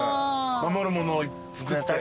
守るものを作って？